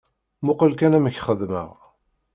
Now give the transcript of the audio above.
Muqel kan amek xeddmeɣ.